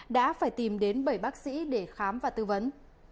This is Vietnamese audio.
đã phải tìm đến bảy bác sĩ để khám và tư vấn